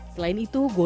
selain itu gotoh